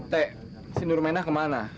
teh si nurmena kemana